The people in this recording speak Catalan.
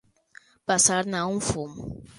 Passar-ne un fum.